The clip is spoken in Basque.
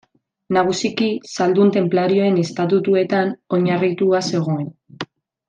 Nagusiki, zaldun tenplarioen estatutuetan oinarritua zegoen.